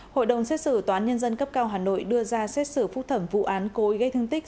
hội đồng xét xử tòa án nhân dân cấp cao hà nội đưa ra xét xử phúc thẩm vụ án cố gây thương tích